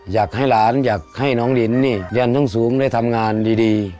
อยากให้หลานอยากให้น้องลินนี่เรียนสูงได้ทำงานดี